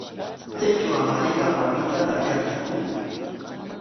¿Chaytraw hamaraykaq warmita rikankiku?